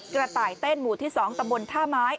กระต่ายเต้นหมู่ที่๒ตำบลท่าไม้